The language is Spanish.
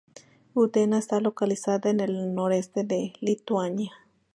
Utena está localizada en el noreste de Lituania.